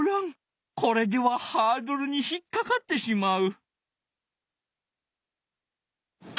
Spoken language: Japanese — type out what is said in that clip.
これではハードルにひっかかってしまう。